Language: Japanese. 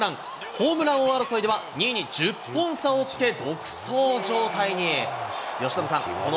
ホームラン王争いでは、２位に１０本差をつけ、独走状態に。